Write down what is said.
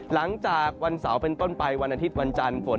หลังจากวันเสาร์เป็นต้นไปวันอาทิตย์วันจันทร์ฝน